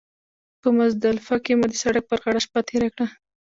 په مزدلفه کې مو د سړک پر غاړه شپه تېره کړه.